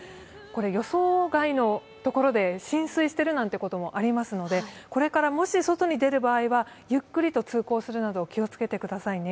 予想外の所で浸水してるなんてこともありますのでこれからもし外に出る場合はゆっくりと通行するなど気をつけてくださいね。